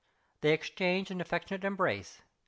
They exchanged an affectionate embrace.